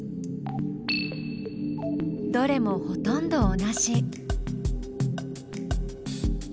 どれもほとんど同じ。